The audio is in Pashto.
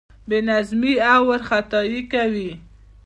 بې نظمي او وارخطايي کوي.